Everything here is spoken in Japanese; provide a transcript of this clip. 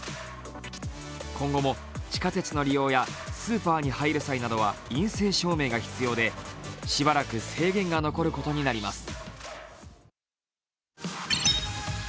今後も地下鉄の利用やスーパーに入る際などは陰性証明が必要で、しばらく制限が残ることになります。